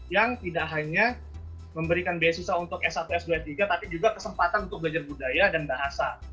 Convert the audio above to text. yang tidak hanya memberikan beasiswa untuk s satu s dua s tiga tapi juga kesempatan untuk belajar budaya dan bahasa